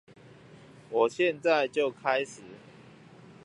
我現在就開始